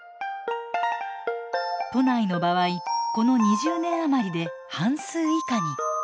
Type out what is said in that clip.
都内の場合この２０年余りで半数以下に。